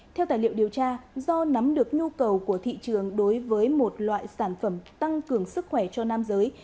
theo tài liệu điều tra do nắm được nhu cầu của thị trường đối với một loại sản phẩm tăng cường sức khỏe cho nam giới